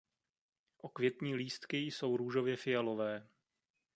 Okvětní lístky jsou růžově fialové.